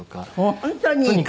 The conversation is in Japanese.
本当に？